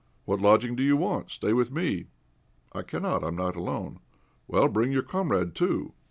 "What, lodging do you want? Stay with me." "I cannot. I am not alone." "Well, bring your comrade too."